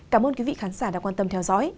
cảm ơn quý vị khán giả đã quan tâm theo dõi